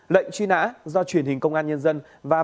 lệnh truy nã do truyền hình công an nhân dân và văn phòng công an